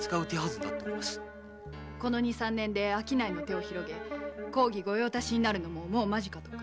二三年で商いの手を広げ公儀御用達になるのも間近とか。